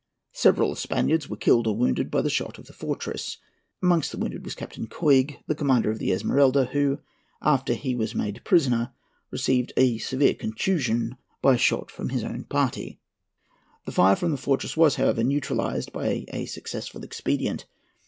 Several Spaniards were killed or wounded by the shot of the fortress. Amongst the wounded was Captain Coig, the commander of the Esmeralda, who, after he was made prisoner, received a severe contusion by a shot from his own party. "The fire from the fortress was, however, neutralized by a successful expedient.